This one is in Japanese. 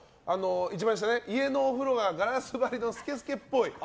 家のお風呂がガラス張りのスケスケっぽい。